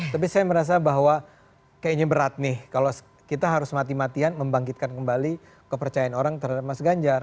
tapi saya merasa bahwa kayaknya berat nih kalau kita harus mati matian membangkitkan kembali kepercayaan orang terhadap mas ganjar